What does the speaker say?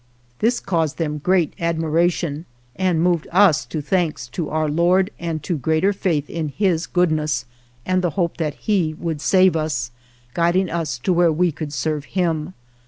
This caused them great admiration and moved us to thanks to Our Lord and to greater faith in His good ness and the hope that He would save us, guiding us to where we could serve Him.